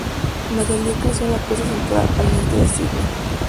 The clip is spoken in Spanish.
Natalie creció en la Costa Central, al norte de Sídney.